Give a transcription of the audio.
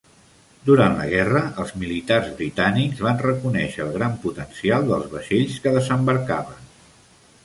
Durant la Guerra, els militars britànics van reconèixer el gran potencial dels vaixells que desembarcaven.